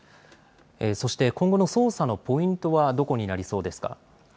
そして、今後の捜査のポイントはどこになりそうですか。